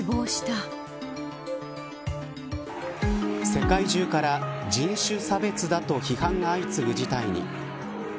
世界中から人種差別だと批判が相次ぐ事態に。